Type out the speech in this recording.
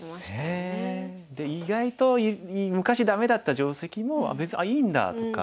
意外と昔ダメだった定石も「別にいいんだ」とか。